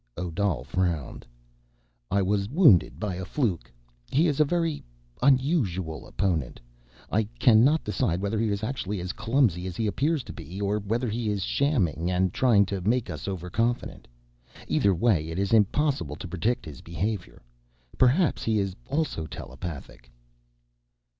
Odal frowned. "I was wounded by a fluke. He is a very ... unusual opponent. I cannot decide whether he is actually as clumsy as he appears to be, or whether he is shamming and trying to make me overconfident. Either way, it is impossible to predict his behavior. Perhaps he is also telepathic."